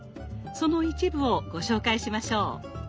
その一部をご紹介しましょう。